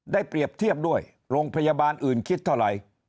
เปรียบเทียบด้วยโรงพยาบาลอื่นคิดเท่าไหร่